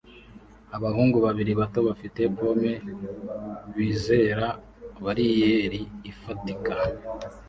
Abahungu babiri bato bafite pome bizera bariyeri ifatika